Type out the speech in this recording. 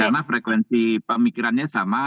dan frekuensi pemikirannya sama